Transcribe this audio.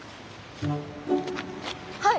はい？